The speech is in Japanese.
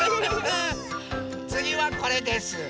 つぎはこれです。